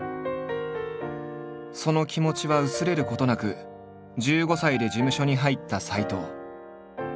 その気持ちは薄れることなく１５歳で事務所に入った斎藤。